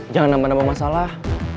jangan nampak nampak masalah